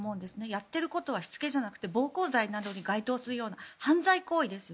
やってることはしつけじゃなくて暴行罪に該当するような犯罪行為です。